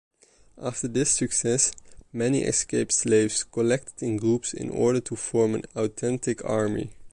After this success, many escaped slaves collected in groups in order to form an authentic army.